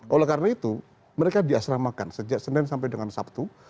oleh karena itu mereka diasramakan sejak senin sampai dengan sabtu